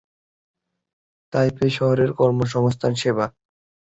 Taipei শহরের কর্মসংস্থান সেবা।